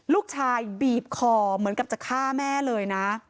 ลูกชายบีบคอเหมือนกับจะฆ่าแม่เลยนะ